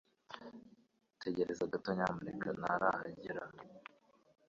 Tegereza gato nyamuneka. Ntarahagera